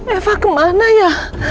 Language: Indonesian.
eva kemana ya